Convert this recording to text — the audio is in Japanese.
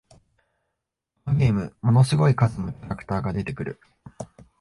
このゲーム、ものすごい数のキャラクターが出てくる